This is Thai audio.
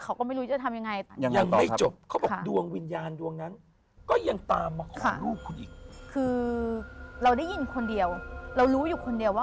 เขามาพูดเขามาร้องไห้อะไรให้เราได้ยิน